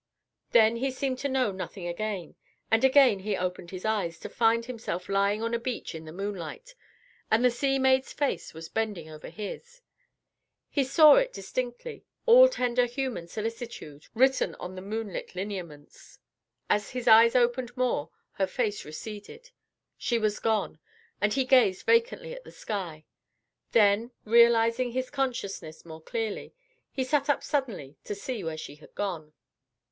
Then he seemed to know nothing again; and again he opened his eyes, to find himself lying on a beach in the moonlight, and the sea maid's face was bending over his. He saw it distinctly, all tender human solicitude written on the moonlit lineaments. As his eyes opened more her face receded. She was gone, and he gazed vacantly at the sky; then, realizing his consciousness more clearly, he sat up suddenly to see where she had gone.